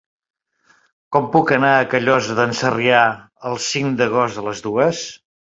Com puc anar a Callosa d'en Sarrià el cinc d'agost a les dues?